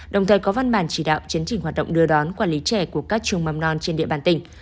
đồng thời có văn bản chỉ đạo chấn trình hoạt động đưa đón quản lý trẻ của các trường mầm non trên địa bàn tỉnh